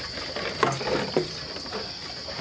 นี่แหละคือหัว